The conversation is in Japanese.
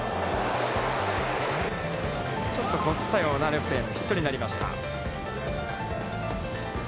ちょっとこすったようなレフトへのヒットになりました。